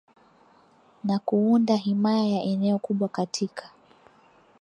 na kuunda himaya na eneo kubwa Katika